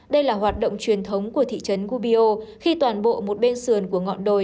đây là hoạt động truyền thống của thị trấn gubio khi toàn bộ một bên sườn của ngọn đồi